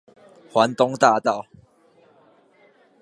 環東大道